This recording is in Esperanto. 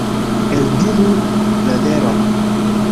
Eldiru la veron.